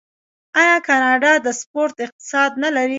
آیا کاناډا د سپورت اقتصاد نلري؟